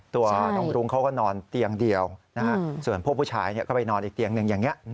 ตัวน้องรุ้งเขาก็นอนเตียงเดียวส่วนพวกผู้ชายก็ไปนอนอีกเตียงหนึ่งอย่างนี้